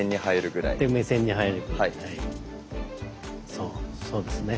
そうそうですね。